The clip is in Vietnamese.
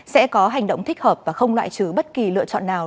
sẽ có hành động thích hợp và không loại trừ bất kỳ lựa chọn nào